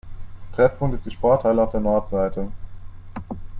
Treffpunkt ist die Sporthalle auf der Nordseite.